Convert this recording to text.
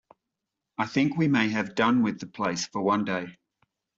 I think we may have done with the place for one day!